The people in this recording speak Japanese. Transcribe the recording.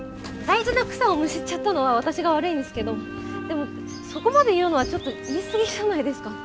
大事な草をむしっちゃったのは私が悪いんですけどでもそこまで言うのはちょっと言い過ぎじゃないですか。